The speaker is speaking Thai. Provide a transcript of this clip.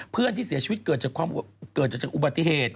เพื่อนที่เสียชีวิตเกิดจากอุบัติเหตุ